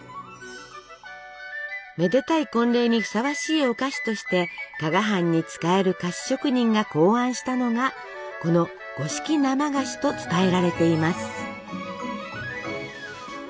めでたい婚礼にふさわしいお菓子として加賀藩に仕える菓子職人が考案したのがこの五色生菓子と伝えられています。